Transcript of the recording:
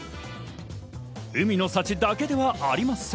海の幸だけではありません。